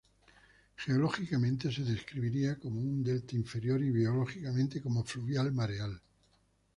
Geológicamente se describiría como un "delta interior" y biológicamente como "fluvial mareal".